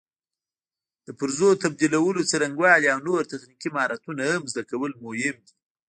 د پرزو تبدیلولو څرنګوالي او نور تخنیکي مهارتونه هم زده کول مهم دي.